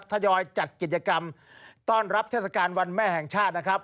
ทยอยจัดกิจกรรมต้อนรับเทศกาลวันแม่แห่งชาตินะครับ